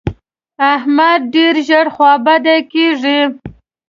احمد ډېر ژر خوابدی کېږي.